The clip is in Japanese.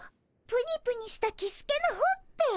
ぷにぷにしたキスケのほっぺ。